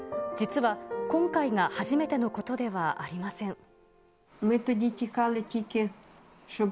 実は、今回が初めてのことではありません。